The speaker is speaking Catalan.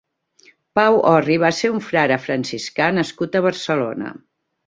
Pau Orri va ser un frare franciscà nascut a Barcelona.